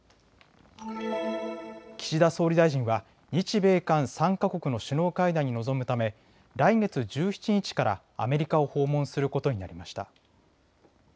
岸田総理大臣は日米韓３か国の首脳会談に臨むため来月１７日からアメリカを訪問することになりました。